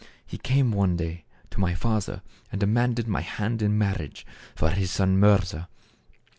" He came one day to my father and demanded my hand in marriage for his son Mirza.